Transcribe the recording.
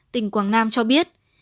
tỉnh quảng nam cho biết